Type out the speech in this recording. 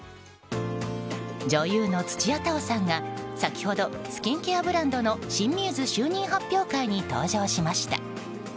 女優の土屋太鳳さんが先ほどスキンケアブランドの新ミューズ就任発表会に登場しました。